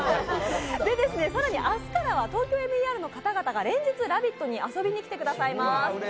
更に明日からは「ＴＯＫＹＯＭＥＲ」の方々が、毎日「ラヴィット！」に遊びに来てくださいます。